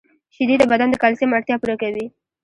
• شیدې د بدن د کلسیم اړتیا پوره کوي.